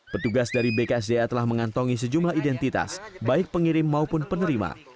petugas dari bksda telah mengantongi sejumlah identitas baik pengirim maupun penerima